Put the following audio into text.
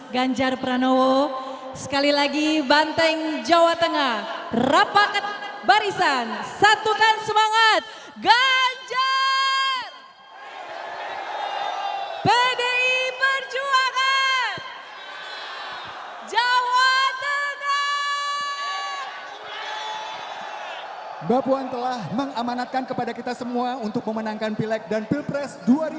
bapak ibu telah mengamanatkan kepada kita semua untuk memenangkan pileg dan pilpres dua ribu dua puluh empat